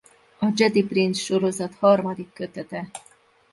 A Jedi Prince sorozat harmadik kötete.